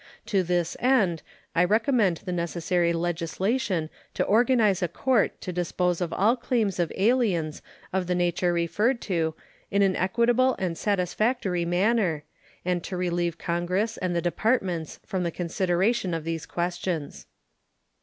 To this end I recommend the necessary legislation to organize a court to dispose of all claims of aliens of the nature referred to in an equitable and satisfactory manner, and to relieve Congress and the Departments from the consideration of these questions.